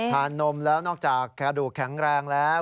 นมแล้วนอกจากกระดูกแข็งแรงแล้ว